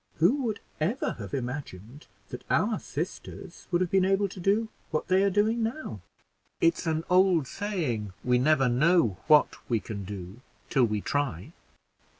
Who would ever have imagined that our sisters would have been able to do what they are doing now? It's an old saying, 'We never know what we can do till we try.'